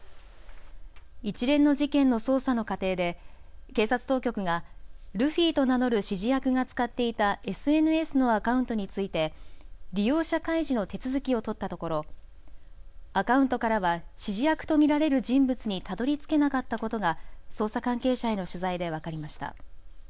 一連の事件の捜査の過程で警察当局がルフィと名乗る指示役が使っていたＳＮＳのアカウントについて利用者開示の手続きを取ったところアカウントからは指示役と見られる人物にたどりつけなかったことが捜査関係者への取材で分かりました。